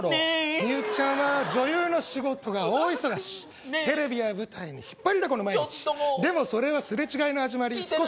ミユキちゃんは女優の仕事が大忙しねえテレビや舞台に引っ張りだこの毎日ちょっともうでもそれはすれ違いの始まり聞いてる？